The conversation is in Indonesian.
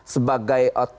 sebagai toko yang